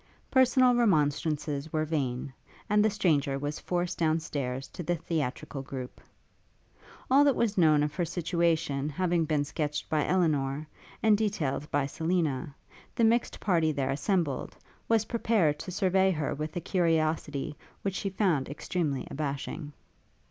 Personal remonstrances were vain, and the stranger was forced down stairs to the theatrical group. All that was known of her situation having been sketched by Elinor, and detailed by Selina, the mixt party there assembled, was prepared to survey her with a curiosity which she found extremely abashing.